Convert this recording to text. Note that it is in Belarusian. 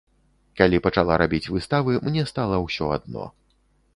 Калі пачала рабіць выставы, мне стала ўсё адно.